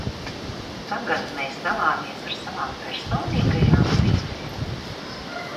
Tagad mēs dalāmies ar savām personīgajām dzīvēm?